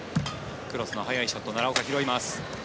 クロスの速いショット奈良岡が拾います。